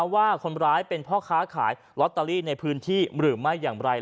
ว่าคนร้ายเป็นพ่อค้าขายลอตเตอรี่ในพื้นที่หรือไม่อย่างไร